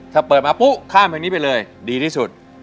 ถ้าเปิดมาปุ๊บข้ามเพลงนี้ไปเลยดีที่สุด